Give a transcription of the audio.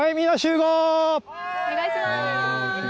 お願いします。